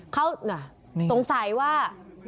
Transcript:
เขาสงสัยว่า